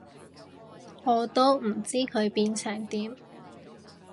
我都唔知佢變成點